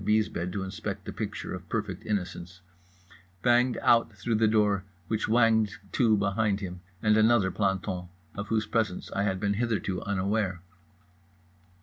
's bed to inspect a picture of perfect innocence) banged out through the door which whanged to behind him and another planton, of whose presence I had been hitherto unaware.